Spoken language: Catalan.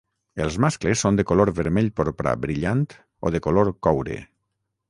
Els mascles són de color vermell-porpra brillant o de color coure.